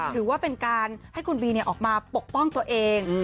ถือว่าเป็นการให้คุณบีออกมาปกป้องตัวเอง